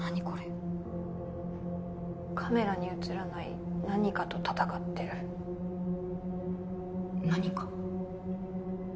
これカメラに写らない何かと戦ってる何か？